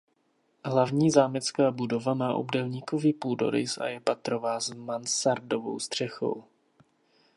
Hlavní zámecká budova má obdélníkový půdorys a je patrová s mansardovou střechou.